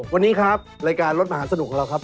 วันนี้ครับรายการรถมหาสนุกของเราครับ